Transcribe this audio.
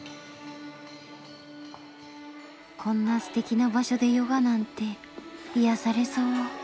こんなステキな場所でヨガなんて癒やされそう。